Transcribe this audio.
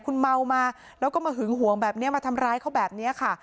คุณเมามาแล้วก็มาหึงหวงแบบนี้มาทำร้ายเขาแบบนี้ค่ะ